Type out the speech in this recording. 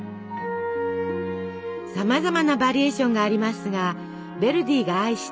さまざまなバリエーションがありますがヴェルディが愛した